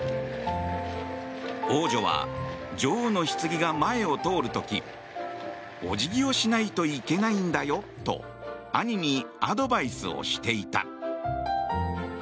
王女は女王のひつぎが前を通る時お辞儀をしないといけないんだよと兄にアドバイスをしていた。